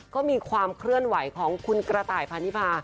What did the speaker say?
ก็มีความเคลื่อนไหวของคุณกระต่ายพาณิพา